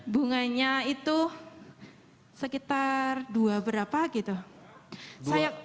bunganya itu sekitar dua berapa gitu